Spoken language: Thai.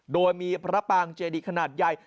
โดยมีพระปางเจดีขนาดใหญ่